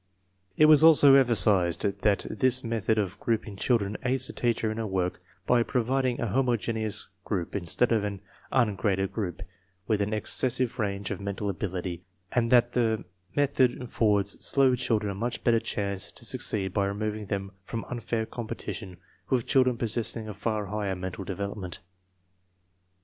It was also emphasized that this method of grouping children aids the teacher in her work by providing a homogeneous group instead of an "un graded group" with an excessive range of mental ability, and that the method affords slow children a much better chance to succeed by removing them from unfair competition with children possessing a far higher mental development.